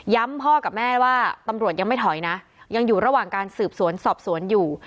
พ่อกับแม่ว่าตำรวจยังไม่ถอยนะยังอยู่ระหว่างการสืบสวนสอบสวนอยู่